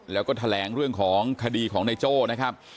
แล้วก็แถลงเรื่องของคดีของนายโจ้นะครับ